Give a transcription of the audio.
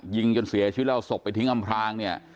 ยิงจนเสียชีวิตแล้วเสียตุ้มไปทิ้งอำคาร